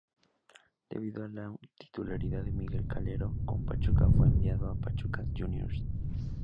Debido a la titularidad de Miguel Calero, con Pachuca fue enviado a Pachuca Juniors.